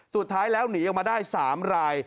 สุดท้ายแล้วหนีออกมาได้๓ราย